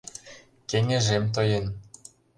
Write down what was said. Кеҥежем тоен.